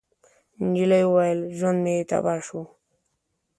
نجلۍ وويل: ژوند مې تباه شو.